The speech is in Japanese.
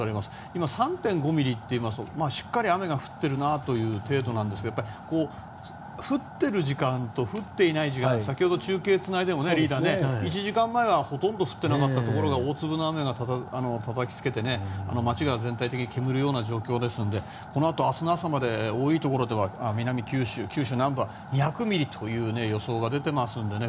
今、３．５ミリっていいますとしっかり雨が降ってるなという程度なんですが降っている時間と降っていない時間が先ほど中継でつないでも１時間前はほとんど降ってなかったところが大粒の雨がたたきつけてね街が全体的に煙る状況なのでこのあと明日の朝まで多いところでは九州南部は２００ミリという予想が出ていますのでね